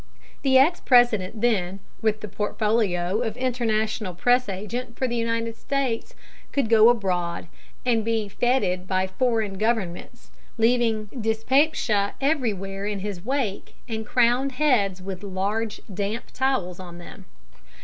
The ex President then, with the portfolio of International Press Agent for the United States, could go abroad and be fêted by foreign governments, leaving dyspepsia everywhere in his wake and crowned heads with large damp towels on them.